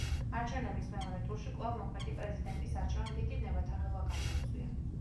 არჩევნების მეორე ტურში კვლავ მოქმედი პრეზიდენტის არჩევამ დიდი ვნებათაღელვა გამოიწვია.